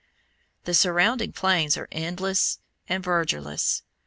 The surrounding plains were endless and verdureless.